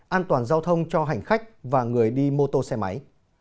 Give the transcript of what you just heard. an toàn giao thông cho hành khách và người đi mô tô xe máy